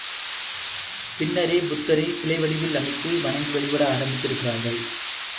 பின்னரே புத்தரைச் சிலை வடிவில் அமைத்து வணங்கி வழிபட ஆரம்பித்திருக்கிறார்கள்.